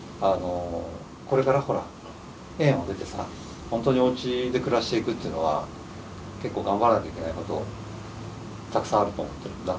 これからほら園を出てさ本当におうちで暮らしていくっていうのは結構頑張らなきゃいけないことたくさんあると思っているんだ。